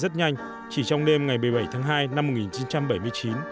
chỉ trong đêm ngày một mươi bảy tháng hai năm một nghìn chín trăm bảy mươi chín